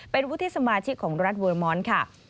เป็นวุฒิสมาชิกของรัฐเวอร์มอนด์ค่ะ